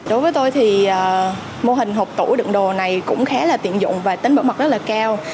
đối với tôi thì mô hình hộp tủ đựng đồ này cũng khá là tiện dụng và tính bảo mật rất là cao